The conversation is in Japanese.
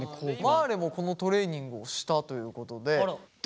まあれもこのトレーニングをしたということでどう？